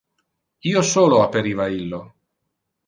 Io solo aperiva illo.